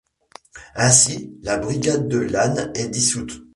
Ainsi, la brigade de Lane est dissoute.